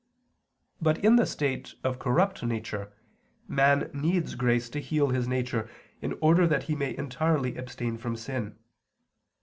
But in the state of corrupt nature man needs grace to heal his nature in order that he may entirely abstain from sin.